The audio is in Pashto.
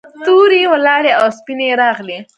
تورې یې ولاړې او سپینې یې راغلې.